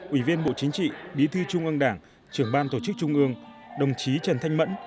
ủy viên bộ chính trị bí thư trung ương đảng trưởng ban tổ chức trung ương đồng chí trần thanh mẫn